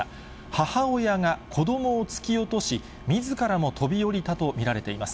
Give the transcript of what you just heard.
母親が子どもを突き落とし、みずからも飛び降りたと見られています。